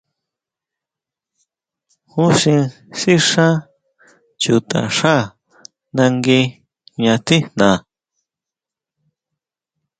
Jusin sixá chutaxá nangui jña tijnaa.